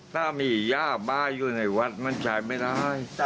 ถ้ามียาบ้าอยู่ในวัดมันใช้ไม่ได้